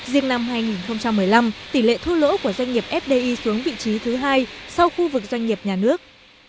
riêng năm hai nghìn một mươi năm tỷ lệ thu lỗ của doanh nghiệp fdi xuống vị trí thứ hai sau khu vực doanh nghiệp nhà nước